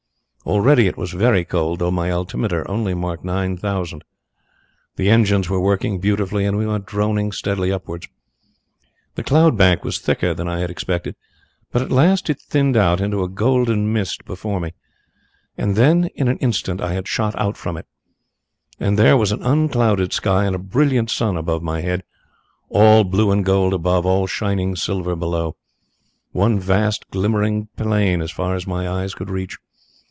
Already it was very cold, though my altimeter only marked nine thousand. The engines were working beautifully, and we went droning steadily upwards. The cloud bank was thicker than I had expected, but at last it thinned out into a golden mist before me, and then in an instant I had shot out from it, and there was an unclouded sky and a brilliant sun above my head all blue and gold above, all shining silver below, one vast, glimmering plain as far as my eyes could reach.